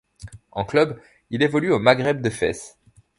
En club, il évolue au Maghreb de Fès.